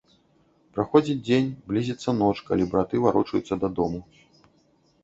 Праходзіць дзень, блізіцца ноч, калі браты варочаюцца дадому.